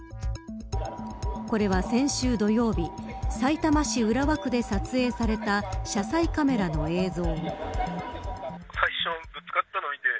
これは先週土曜日さいたま市浦和区で撮影された車載カメラの映像。